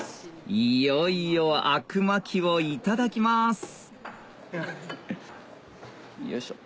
いよいよあくまきをいただきますよいしょ。